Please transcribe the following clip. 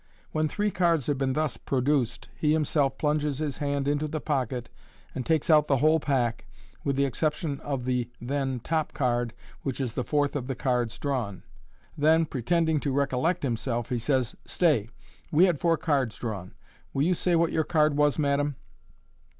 When three cards have been thus produced, he himself plunges his hand into the pocket, and takes out the whole pack, with the excep tion of the then top card, which is the fourth of the cards drawn j then, pretending to recollect himself, he says, " Stay j we had four cards drawn. Will you say what your card was, madam